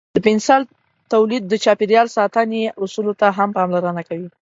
د پنسل تولید د چاپیریال ساتنې اصولو ته هم پاملرنه کوي.